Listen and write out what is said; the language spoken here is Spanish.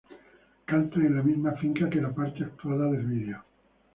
Cantan en la misma finca que la parte actuada del vídeo.